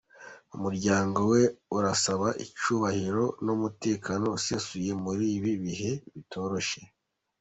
Umuryango we urasaba icyubahiro n’umutekano usesuye muri ibi bihe bitoroshye.